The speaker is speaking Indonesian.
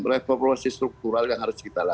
reformasi struktural yang harus kita lakukan